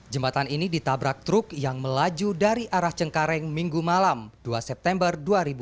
jembatan ini ditabrak truk yang melaju dari arah cengkareng minggu malam dua september dua ribu dua puluh